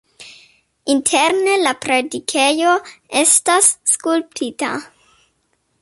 Interne la predikejo estas skulptita.